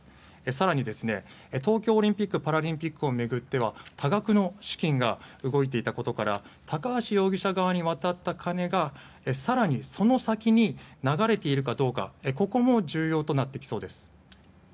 更に、東京オリンピック・パラリンピックを巡っては多額の資金が動いていたことから高橋容疑者側に渡った金が更に、その先に流れているかどうかここも重要となってきそうです。